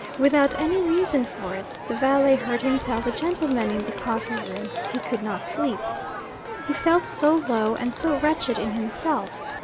Without any reason for it (the valet heard him tell the gentlemen in the coffee room) he could not sleep; he felt so low and so wretched in himself.